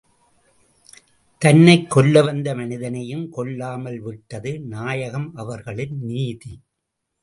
தன்னைக் கொல்ல வந்த மனிதனையும், கொல்லாமல் விட்டது நாயகம் அவர்களின் நீதி.